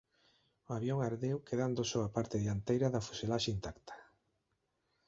O avión ardeu quedando só a parte dianteira da fuselaxe intacta.